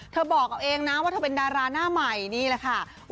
บอกเอาเองนะว่าเธอเป็นดาราหน้าใหม่นี่แหละค่ะ